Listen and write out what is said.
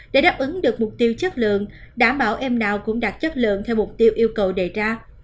để đáp ứng được mục tiêu chất lượng đảm bảo em nào cũng đạt chất lượng theo mục tiêu yêu cầu đề ra